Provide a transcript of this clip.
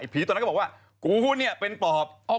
ตอนนั้นก็บอกว่ากูเนี่ยเป็นปอบ